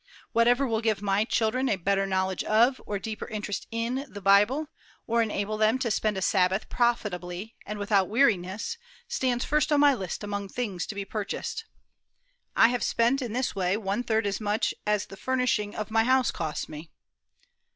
Whatever will give my children a better knowledge of, or deeper interest in, the Bible, or enable them to spend a Sabbath profitably and without weariness, stands first on my list among things to be purchased. I have spent in this way one third as much as the furnishing of my house costs me."